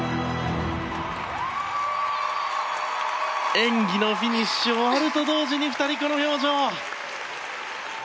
演技のフィニッシュ終わると同時に２人、この表情。